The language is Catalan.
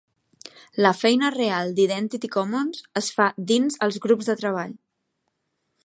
La feina real d'Identity Commons es fa dins els grups de treball.